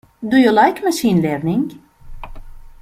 Do you like Machine Learning?